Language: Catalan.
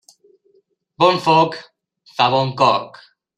Bon foc fa bon coc.